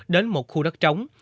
đến một khu đất trống